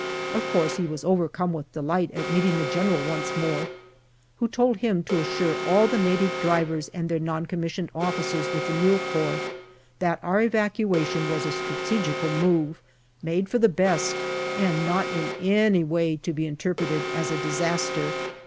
Of course, he was overcome with delight at meeting the General once more, who told him to assure all the Native drivers and their N.C.O.'s with the Mule Corps that our evacuation was a strategical move, made for the best, and not in any way to be interpreted as a disaster.